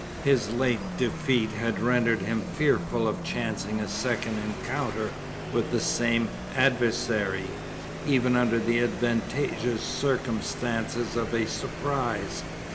His late defeat had rendered him fearful of chancing a second encounter with the same adversary even under the advantageous circumstances of a surprise.